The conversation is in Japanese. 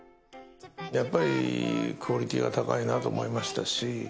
やっぱりクオリティーが高いなと思いましたし。